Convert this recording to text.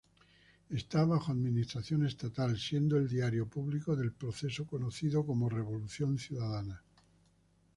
Está bajo administración estatal, siendo el diario público del proceso conocido como Revolución Ciudadana.